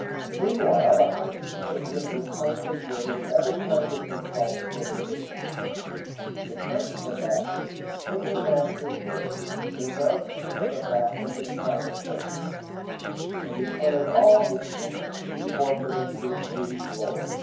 [] Meanwhile the high spirit of Richard suffered in Germany every kind of insult and indignity. The French ambassadors, in their master's name, renounced him as a vassal to the crown of France, and declared all his fiefs to be forfeited to his liege lord.